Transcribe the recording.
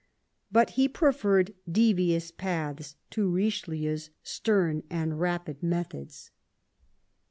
But he preferred devious paths to Eiche lieu's stem and rapid methods.